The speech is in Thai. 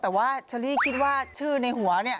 แต่ว่าเชอรี่คิดว่าชื่อในหัวเนี่ย